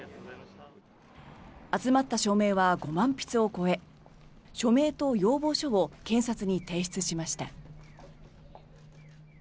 集まった署名は５万筆を超え署名と要望書を検察に提出しました。